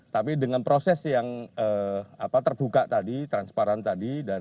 tapi dengan proses yang terbuka tadi transparan tadi